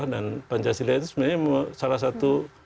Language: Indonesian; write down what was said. dan pancasila itu sebenarnya salah satu